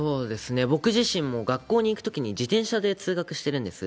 僕自身も、学校に行くときに自転車で通学してるんです。